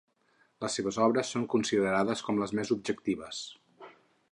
Les seves obres són considerades com les més objectives.